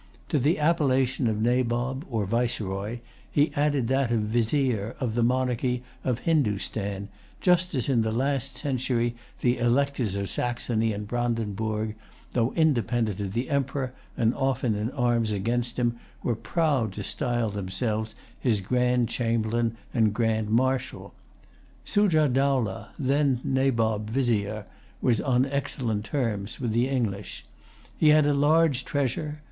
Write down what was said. To the appellation of Nabob or Viceroy, he added that of Vizier of the monarchy of Hindostan, just as in the last century the Electors of Saxony and Brandenburg, though independent of the Emperor, and often in arms against him, were proud to style themselves his Grand Chamberlain and Grand Marshal. Sujah Dowlah, then Nabob Vizier, was on excellent terms with the English.[Pg 138] He had a large treasure.